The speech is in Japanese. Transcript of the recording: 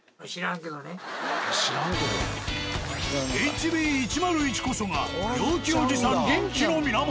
ＨＢ−１０１こそが陽気おじさん元気の源。